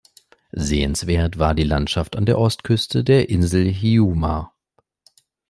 Sehenswert war die Landschaft an der Ostküste der Insel Hiiumaa.